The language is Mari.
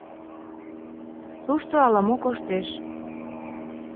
Тушто ала-мо коштеш.